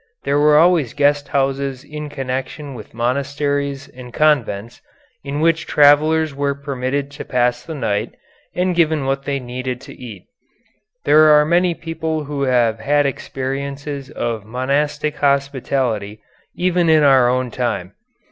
There were always guest houses in connection with monasteries and convents, in which travellers were permitted to pass the night, and given what they needed to eat. There are many people who have had experiences of monastic hospitality even in our own time.